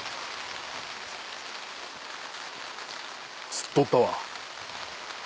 吸っとったわ。